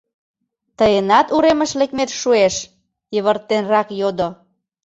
— Тыйынат уремыш лекмет шуэш? — йывыртенрак йодо.